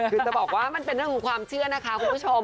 คือจะบอกว่ามันเป็นเรื่องของความเชื่อนะคะคุณผู้ชม